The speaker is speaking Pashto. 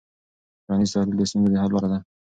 ټولنیز تحلیل د ستونزو د حل لاره ده.